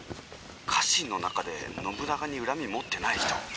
家臣の中で信長に恨み持ってない人いないです」。